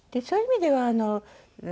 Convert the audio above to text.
そういう意味では。